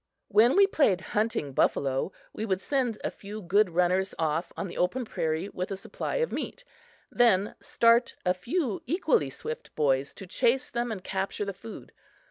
When we played "hunting buffalo" we would send a few good runners off on the open prairie with a supply of meat; then start a few equally swift boys to chase them and capture the food.